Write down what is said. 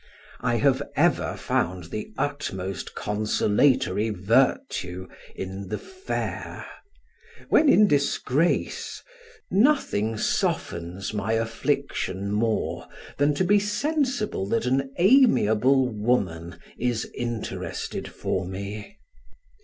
I have ever found the utmost consolatory virtue in the fair; when in disgrace, nothing softens my affliction more than to be sensible that an amiable woman is interested for me.